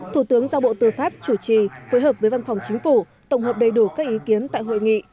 thủ tướng giao bộ tư pháp chủ trì phối hợp với văn phòng chính phủ tổng hợp đầy đủ các ý kiến tại hội nghị